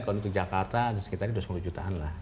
kalau untuk jakarta ada sekitar dua puluh jutaan lah